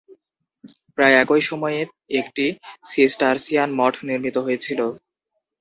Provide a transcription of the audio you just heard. প্রায় একই সময়ে একটি সিসটারসিয়ান মঠ নির্মিত হয়েছিল।